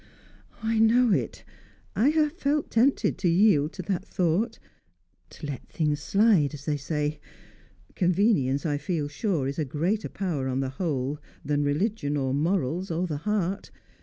"I know it. I have felt tempted to yield to that thought to let things slide, as they say. Convenience, I feel sure, is a greater power on the whole than religion or morals or the heart.